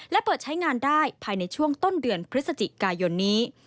และเปิดใช้งานได้ภายในช่วงต้นเดือนพฤศจิกายนนี้